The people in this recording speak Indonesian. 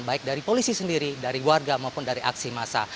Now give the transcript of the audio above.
baik dari polisi sendiri dari warga maupun dari aksi massa